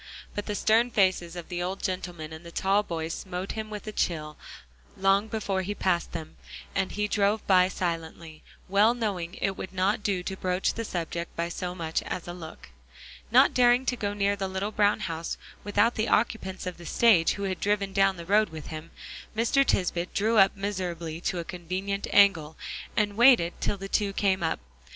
But the stern faces of the old gentleman and the tall boy smote him with a chill, long before he passed them, and he drove by silently, well knowing it would not do to broach the subject by so much as a look. Not daring to go near the little brown house without the occupants of the stage who had driven down the road with him, Mr. Tisbett drew up miserably to a convenient angle, and waited till the two came up.